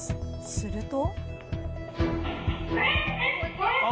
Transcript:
すると。